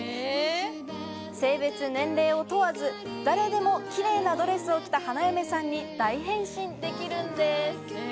性別・年齢を問わず、誰でもキレイなドレスを着た花嫁さんに大変身できるんです。